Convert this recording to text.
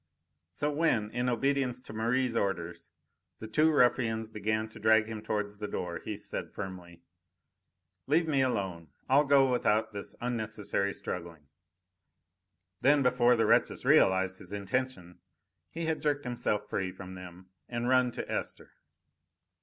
So when, in obedience to Merri's orders, the two ruffians began to drag him towards the door, he said firmly: "Leave me alone. I'll go without this unnecessary struggling." Then, before the wretches realised his intention, he had jerked himself free from them and run to Esther.